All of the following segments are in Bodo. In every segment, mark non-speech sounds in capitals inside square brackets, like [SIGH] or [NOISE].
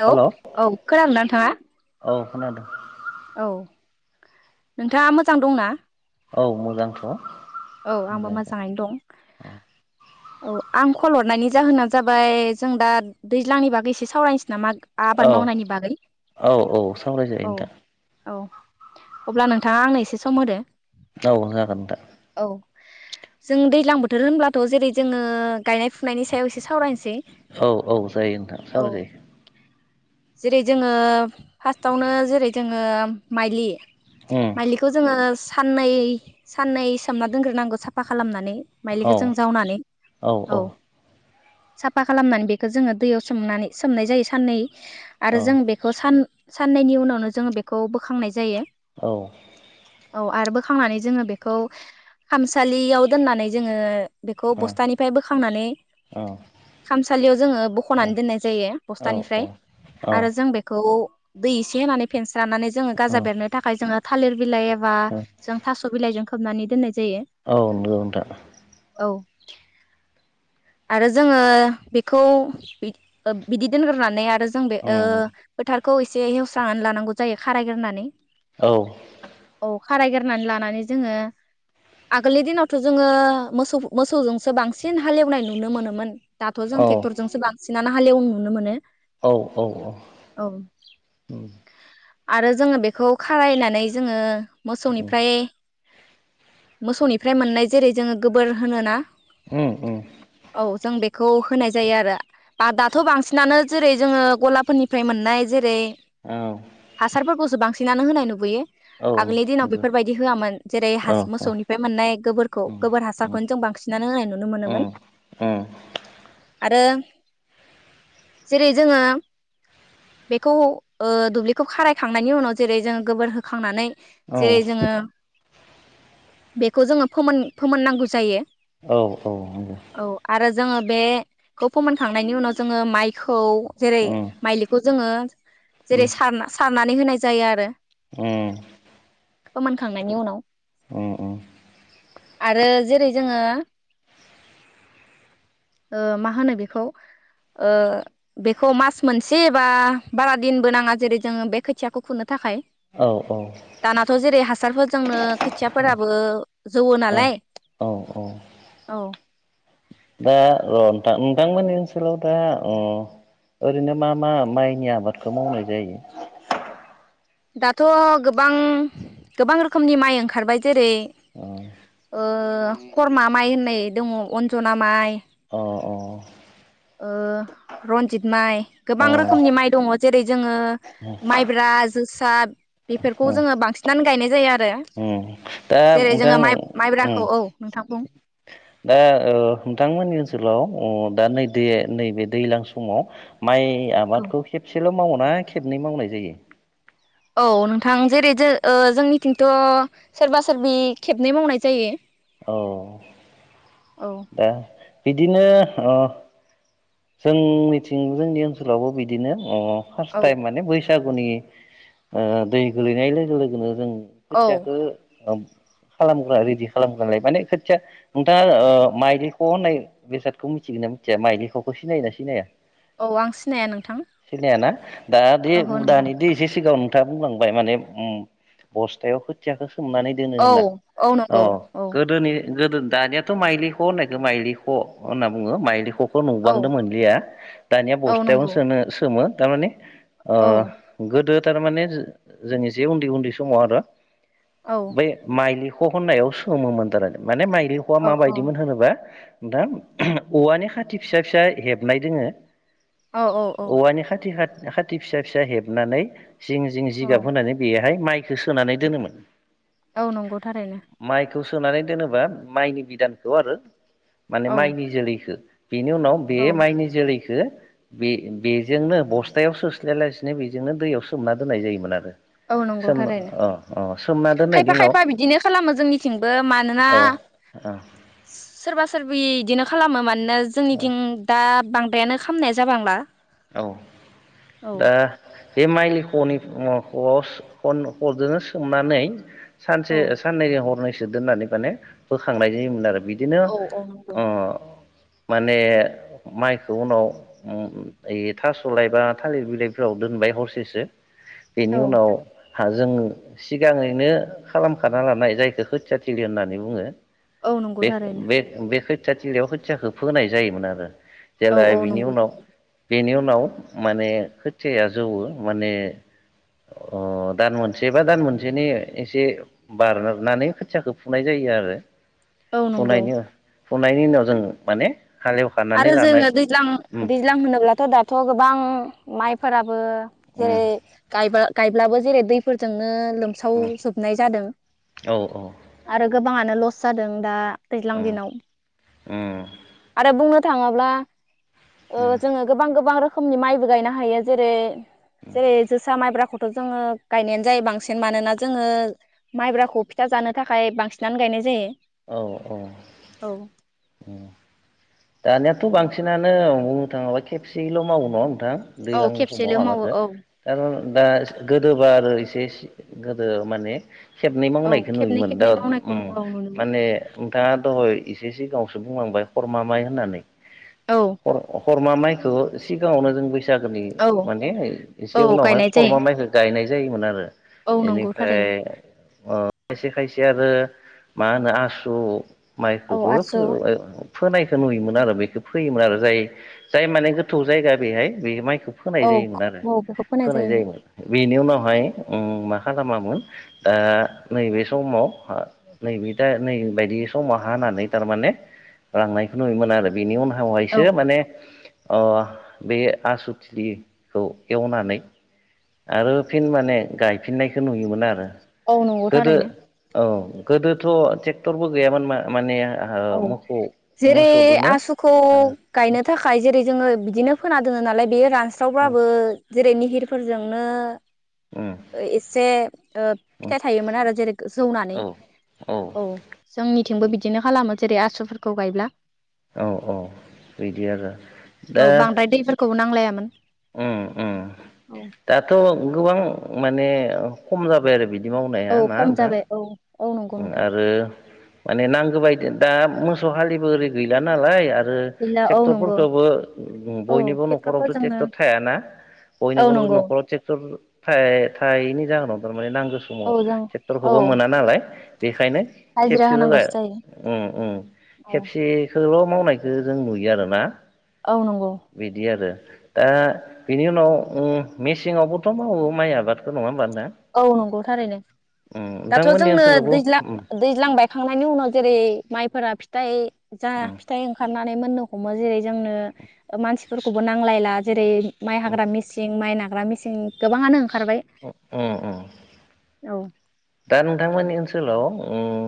हेलौ औ खोनादोंना नोंथाङा? खोनादों। औ, नोंथाङा मोजां दंना? औ मोजांथ'। औ आंबो मोजां मोजाङैनो दं, औ आं कल हरनायनि जाहोना जाबाय जों दा दैज्लांनि बागै एसे सावरायनोसै नामा औ आबाद मावनायनि बागै? औ औ सावरायजायो औ नोंथां औ। अब्ला नोंथाङा आंनो एसे सम होदो। औ जागोन दे। औ जों दैज्लां बोथोर होनब्लाथ' जेरै जोङो गायनाय फुनायनि सायाव एसे सावरायनोसै नोंथां औ औ जायो नोंथां औ सावरायजायो जेरै जोङो फार्स्टआवनो जेरै जोङो माइलि उम माइलिखौ जोङो साननै साननै सोमना दोनग्रो नांगौ साफा खालामनानै माइलिखौ औ जों जावनानै औ साफा खालामनानै बेखौ जोङो दैयाव सोमनानै सोमनाय जायो साननै आरो जों औ बेखौ सान साननैनि उनावनो जोङो बेखौ बोखांनाय जायो। औ औ आरो बोखांनानै जोङो बेखौ खामसालियाव दोननानै जोङो बेखौ उम उम बस्थानिफ्राय बोखांनानै औ खामसालियाव जोङो औ बख'नानै दोननाय जायो औ उम बस्थानिफ्राय उम आरो जों बेखौ दै एसे होनानै फेनस जानानै जोङो औ गाजा बेरनो थाखाय जोङो थालिर बिलाइ बा जों थ' बिलाइ जों खौबनानै दोननाय जायो औ नंगौ नोंथां औ आरो जोङो बेखौ बिदि दोनग्रोनानै आरो जों बे उम फोथार खौ एसे हेवस्रांनानै लानांगौ जायो खारायग्रोनानै औ औ खारायग्रोनानै लानानै जोङो आगोलनि दिनावथ' जोङो मोसौ मोसौजोंसो बांसिन हालेवनाय नुनो मोनोमोन। दाथ' जों औ टेक्टरजोंसो बांसिन हालेवनाय नुनो मोनो। औ औ औ औ आरो जोङो बेखौ खारायनानै जोङो उम मोसौनिफ्राय मोसौनिफ्राय मोननाय जेरै जोङो गोबोर होनोना उम उम औ जों बे बेखौ होनाय जायो आरो बा दाथ' बांसिनानो जेरै जोङो गलाफोरनिफ्राय मोननाय जेरै औ हासारफोरखौसो बांसिन [UNINTELLIGIBLE] होनाय नुबोयो। औ आगोलनि दिनाव नंगौ बेफोरबायदि होआमोन। जेरै औ हासा- मोसौनिफ्राय मोननाय गोबोरखौ उम गोबोर उम हासारखौनो जों बांसिनानो होनाय नुनो मोनोमोन उम उम आरो जेरै जोङो बेखौ ओ दुब्लिखौ खारायखांनायनि उनाव जेरै जोङो गोबोर होखांनानै औ औ जेरै जोङो बेखौ जोङो फोमोन -फोमोननांगौ जायो। औ-औ नंगौ। औ आरो जोङो बेखौ फोमोनखांनायनि उनाव जोङो माइखौ जेरै उम माइलिखौ जोङो उम जेरै सा- सारनानै होनाय जायो आरो [UNINTELLIGIBLE] फोमोनखां [UNINTELLIGIBLE] उनाव ओ ओ। आरो जेरै जोङो ओ मा होनो ओ बेखौ-बेखौ मास मोनसे बा बारा दिनबो नाङा जेरै जोङो बे खोथियाखौ खुनो। थाखाय औ औ दानाथ' जेरै हासार हासारफोर जोंनो खोथियाफोराबो जौवो औ नालाय औ औ औ। दा अ नोंथां- नोंथांमोननि ओनसोलाव दा ओरैनो मा-मा माइनि आबादखौ मावनाय जायो? दाथ' गोबां गोबां रोखोमनि माइ ओंखारबाय। जेरै अ ओ खरमा माइ होननाय दङ अन्जना माइ अ, अ। ओ रन्जित माइ गोबां अ रोखोमनि माइ दङ जेरै जोङो माइब्रा, जोसा [UNINTELLIGIBLE] बेफोरखौ जोङो बांसिनानो गायनाय जाया आरो ओ दा जेरै नोंथां जोङो माइ ओ माइब्राखौ औ नोंथां बुं दा नोंथांमोननि ओनसोलाव दा नै नैबे दैज्लां समाव माइ औ आबादखौ खेबसेल' मावो ना खेबनै मावनाय जायो? औ नोंथां जेरै ज -जोंनिथिंथ सोरबा सोरबि खेबनै मावनाय जायो। औ औ दा बिदि बिनो अ जों मिथिं जोंनि ओनसोलावबो बिदिनो उम फास औ थायम माने बैसाग गुनि ओ दै गोलैनाय लोगो लोगोनो जों औ खोथियाखौ खालामग्रा रेडि खालामग्रालाय माने खोथिया नोंथाङा ओ माइलिख होननाय बेसादखौ मिथिगोन ना मिथिया माइलिखौ ख सिनायो ना सिनाया औ आं सिनाया नोंथां सिनायाना दा दि ओहो नोंथां दानिदि एसे सिगां खोथा बुंलांबाय माने बस्थायाव खोथियाखो सोमनानै दोनो औ होनना औ नंगौ अह औ गोदोनि गोदो दानियाथ माइलि ख होननायख माइलि ह होनना बुङो माइलि खखौ औ गोबांदंमोनलिया दानिया औ बस्थायावनो नंगौ सोनो सोमो दारमाने ओ औ गोदो थारमाने जो-जोंनि जे उन्दै उन्दै समाव आरो औ बे माइलि खहोननायाव सोमोमोन थारा थारि माने माइलिखौआ औ माबायदिमोन होनोबा नोंथां औवानि खाथि फिसा फिसा हेबनाय दोङो औ औ औ औवानि खाथि खाथि फिसा फिसा हेबनानै जिं जिं औ जिगाब होनानै गैया हाय माइखौ सोनानै दोनोमोन औ नंगौ थारैनो बेखौ सोनानै दोनोबा माइनि बिदानखौ आरो माने औ माइनि जोलैखौ बेनि उनाव बे औ माइनि जोलै बे बे-बेजोंनो बस्थायाव सोस्लायलासिनो बेजोंनो दैयाव सोमना दोननाय जायोमोन आरो औ सोमना नंगौथारनो अ अ सोमना दोननायनि खायफा उनाव खायफा बिदिनो खालामो जोंनिथिंबो मानोना अ अ सोरबा सोरबि बिदिनो खालामो मानो जोंनिथिं दा बां फ्रायानो खालामनाय जाबांला औ औ दा बे माइलि खनि आ हस ह हजोंनो सोमनानै सानसे औ साननैजों हरनैस सो दोननानै माने बोखांनाय जायोमोन आरो बिदिनो औ औ नंगौ अ माने माइखौ उनाव ओइ थास' लाय बा थालिर बिलाइफोराव दोनबाय हरसेसो बेनि औ उनाव जों सिगाङैनो खालामखाना लानाय जायखौ खोथियाथिलि होननानै बुङो औ नंगौ बे थारैनो बे बे खो खोथियाथिलियाव खोथियाखौ फोनाय जायोमोन आरो औ जेला औ बिनि नंगौ उनाव बेनि उनाव माने खोथियाया जौवो माने ओ दान मोनसे बा दान मोनसेनि एसे बारनानै खोथियाखौ फुनाय जायो आरो औ नंगौ फुनायनि फुनायनि उनाव जों माने हालेवखानानै आरो लानाय जोङो दैज्लां उम दैज्लां होनोब्लाथ' दाब थ' गोबां माइफोराबो उम जेरै गायबा गायब्लाबो जेरै दैफोरजोंनो लोमसाव उम जोबनाय जादों औ औ आरो गो गोबाङानो लस जादों दा दैज्लां उम दिनाव उम आरो बुङो थाङाब्ला ओ जोङो गोबां गोबां रोखो रोखोमनि माइबो गायनो हायो जेरै जेरै जोसा माइब्रा ख थ' जोङो गायनायानो जायो बांसिन मानोना जोङो माइब्राखौ फिथा जानो थाखाय बांसिनानो गायनाय जायो औ औ दानियाथ' बांसिनानो बुंनो थाङाब्ला खेबसेल' मावो नङा थां औ दैलांनि समाव खेबसेल' मावो आबादखौ औ आरो दा गोदोबा आरो ए गोदो माने खेबनै औ मावनायखौ खेबनै नुयोमोन दा खेबनै मावनायखौ उम औ नुनो मोन ए नोंथाङा दहाय एसे सिगांयावसो बुंलांबाय हरमा माइ होननानै औ ह हरमा माइ खौ सिगाङावनो जों बेस बैसागोनि औ माने एसे औ उनावहाय गायनाय जायो खरमा माइखौ गायनाय जायोमोन आरो औ नंगौ बेनिफ्राय थारैनो अ खायसे खायसे आरो मा होनो आसु औ माइखौबो आसु फोबाय फोनायखौ नुयोमोन आरो बेखौ फोयोमोन आरो जाय जाय माने गोथौ जायगा बेहाय बे माइ फोनाय औ जायोमोन आरो फोनाय जायोमोन बेनि उनाव ओमफ्राय उम मा खालामामोन दा नैबे समाव आ नैबे दा नै बायदि समाव हानानै थारमाने लांनायखौ नुयोमोन आरो बिनि उन औ नावहायसो माने अ बे आसु थिलिखौ एवनानै आरो फिन माने गायफिननायखौ नुयोमोन आरो औ नंगौ गोदो थारैनो औ गोदोथ' ट्रेक्टरबो गैयामोन मा-माने औ जेरै आसुखौ गायनो थाखाय जेरै जोङो बिदिनो फोना दोनो नालाय बे रान हास्रावबाबो जेरै निहिर फोरजोंनो उम एसे ओ उम फिथाइ थायोमोन आरो जेरै जौनानै औ औ जोंनिथिंबो बिदिनो खालामो जेरै आसुफोरखौ गायब्ला औ औ बिदि आरो दा औ बांद्राय दैफोरखौबो [INAUDIBLE] उम उम औ दाथ' गोबां माने खम जाबाय आरो बिद औ खम जाबाय औ औ नंगौ नोंथां आरो माने नांगौ बायदि दा मोसौ हालिबो ओरै गैला नालाय आर ओ गैला औ नंगौ ट्रेक्टरफोरखौबो औ बयनिबो न'खरावथ' ट्रेक्टरफोरजोंनो ट्रेक्टर थायाना औ बयनिबो नंगौ न'खराव ट्रेक्टर थाय-थायैनि जाहोनाव थारमाने नां गौ समाव औ जों औ ट्रेक्टरखौबो मोना नालाय बेखायनो हाजिरा खेबसेबो होनांगौसो जाया जायो उम उम औ खेबसेखो सेल' मावनायखो जों नुयो आरोना औ नंगौ बिदि आरो दा बिनि उनाव उम मेसेंआवबोथ' मावो माइ आबादखो नङा होमबा नो औ नंगौ थारैनो दाथ' नोंथांमोननि जोंनो खो ओनसोलावबो दैज्ला उम दैज्लां बायखांनायनि उनाव जेरै माइफोरा फि दाय जा उम फिथाइ ओंखारनानै मोननो हमो जेरै जोंनो ओ मानसिफोरखौबो नांलायला जेरै माइ हाग्रा मेसिं माइ ना रा मिसिं गोबाङानो ओंख अ अ अ औ दा नोंथांमोननि ओनसोलाव उम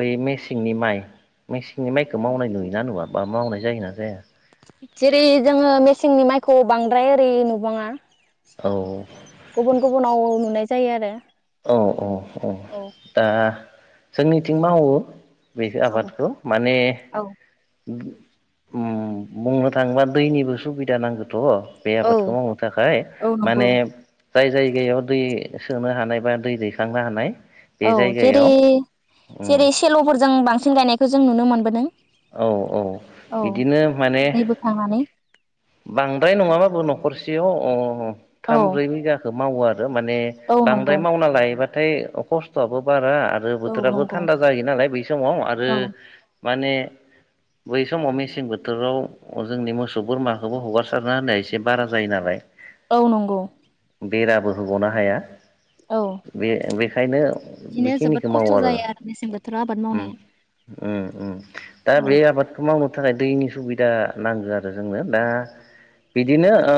बै मेसेंनि माइ मेसेंनि माइखौ मावनाय नुयोना नुवा बा मावनाय जायोना जाया? है जेरै जोङो मेसेंनि माइखौ बांद्राय ओरै नुबाङा। औ गुबुन गुबुनाव नुनाय जायो आरो औ अ अ औ दा जोंनिथिं मावो। बेखो औ आबादखौ माने औ उमहो उम बुंनो थाङोबा दैनिबो सुबिदा नांगोन। थ' बे औ आबादखौ मावनो थाखाय औ नंगौ माने जाय जायगायाव दै ओ सोनो हानाय बा दै दैखांनो हानाय बे औ जेरै जायगायाव उम जेरै सेल'फोर जों बांसिन गायनायखौ जों नुनो मोनबोदों। औ औ औ बिदिनो माने दै बोखांनानै बांद्राय नङाबाबो न'ख खरसेयाव अ औ थाम ब्रै बिगाखौ मावो आरो माने औ बांद्राय नंगौ मावना लायोबा थाय अ खस्थ'आबो बार रा आरो औ बोथोराबो नंगौ थान्दा जायो नालाय बै समाव आरो औ माने बै समाव मेसें बोथोराव जोंनि मोसौ बोरमाखौबो हगारसारना होनाया एसे बारा जायो नालाय। औ नंगौ। बेराबो होग'नो हाया। औ बे बे ओंखायनो बिदिनो जोबोद बेखिनिखौ मावो खस्थ' आरो जायो मेसें बोथोराव आबाद उम मावनाया उम उम दा औ बे आबादखौ माव मावनो थाखाय दैनि सुबिदा नांगौ आरो जोंनो दा बिदिनो ओ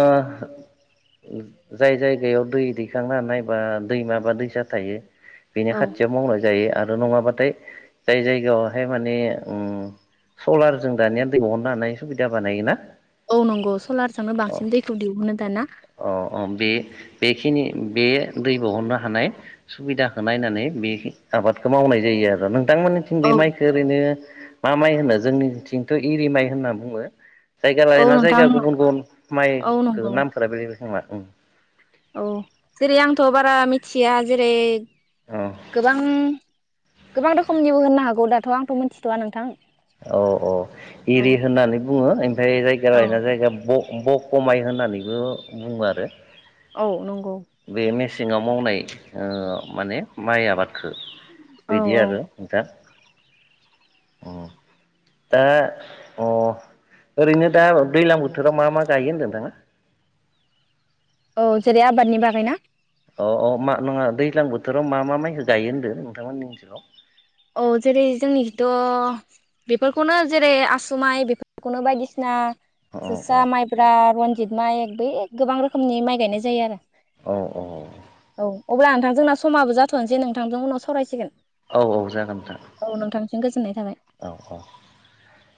जाय जायगायाव दै दैखांनो हानाय बा दैमा बा दैसा थायो। बेनि औ खाथियाव मावनाय जायो आरो नङाबाथाय जाय जायगायावहाय माने उम सलारजों दानिया दै बहरनो हानाय सुबिदा बानायगोना औ नंगौ सलारजोंनो बांसिन दैखौ दिहुनो दाना। अ अ बे बेखिनि बे दै बहरनो हानाय सुबिदाखौ नायनानै बे आबादखौ मावनाय जायो आरो नों नोंथांमोननिथिं बे औ माइखो ओरैनो मा माइ होनो जोंनिथिंथ' इरि माइ होनना बुङो। जायगा औ लायोना नोंथां जायगा गुबुन गुबुन औ माइखो नंगौ नामफोरा बेलेग बेलेगखोमा उम औ जेरै आंथ' बारा मिथिया जेरै अ गोबां गोबां रोखोमनिबो होननो हागौ दाथ' आंथ' मोनथिथ'वा नोंथां। औ औ औ एरि होननानै बुङो ओमफाय जायगा औ लायना जायगा ब बख माइ होननानैबो बुङो आरो। औ नंगौ। सेंङाव मावनाय ओ माने माइ आबाद खो औ बिदि औ आरो नोंथा। उम दा अ ओरैनो दा दैजलां बोथोराव मा मा गायो होनदों नोंथांङा? औ जेरै आबादनि बागैना? अ अ मा नङा दैज्लां बोथोराव मा मा माइखौ गायो होन्दों नोंथांमोननि ओनसोलाव औ जेरै जोंनिखिथ' बेफोरखौनो जेरै आसुमाइ बेफोरखौनो बायदिसिना औ औ जोसारा माइब्रा रनजित माइ बे गोबां रोखोमनि माइ गायनाय जायो आरो। औ औ औ अब्ला नोंथां जोंना समाबो जाथ'नोसै नोंथांजों उनाव सावरायसिगोन। औ औ जागोन नोंथां औ नोंथांसिम गोजोननाय थाबाय। औ औ